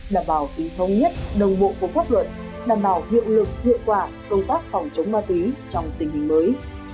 đảm bảo tính thông nhất đồng bộ của pháp luật đảm bảo hiệu lực hiệu quả công tác phòng chống ma túy trong tình hình mới